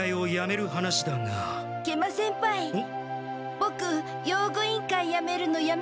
ボク用具委員会やめるのやめます！